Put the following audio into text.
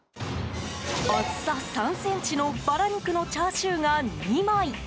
厚さ３ｃｍのバラ肉のチャーシューが２枚。